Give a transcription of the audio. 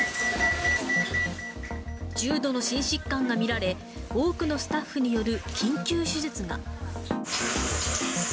重度の心疾患が見られ、多くのスタッフによる緊急手術が。